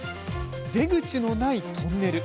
出口のないトンネル。